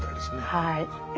はい。